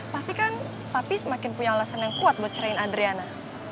pastikan papi semakin punya alasan yang kuat buat cerain adriana